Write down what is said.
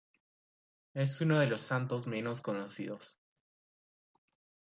Es uno de los santos menos conocidos.